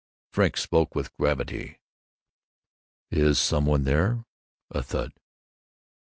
Frink spoke with gravity: "Is some one there?" A thud.